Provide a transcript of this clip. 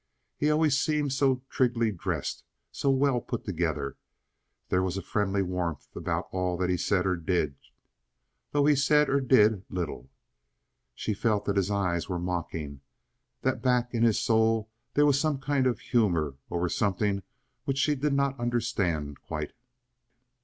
He always seemed so trigly dressed, so well put together. There was a friendly warmth about all that he said or did, though he said or did little. She felt that his eyes were mocking, that back in his soul there was some kind of humor over something which she did not understand quite.